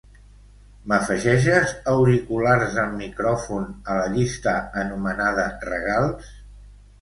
M'afegeixes auriculars amb micròfon a la llista anomenada "regals"?